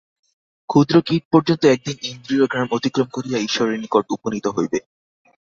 ক্ষুদ্র কীট পর্যন্ত একদিন ইন্দ্রিয়গ্রাম অতিক্রম করিয়া ঈশ্বরের নিকট উপনীত হইবে।